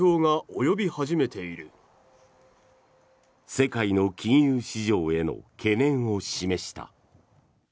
世界の金融市場への懸念を示した。